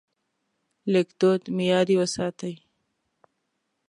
لیکدود معیاري وساتئ.